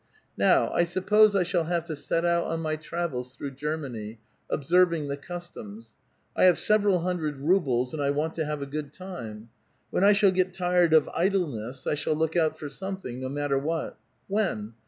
Now I suppose I shall have to set out on my travels through Germany, observing the customs. I have several hundred rubles, and I want to have a good time. When I shall get tired of idle ness, I shall look out for something, no matter what. When?